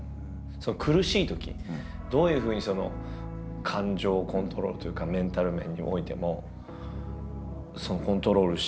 苦しいときどういうふうに感情をコントロールというかメンタル面においてもコントロールしてらっしゃったんですか？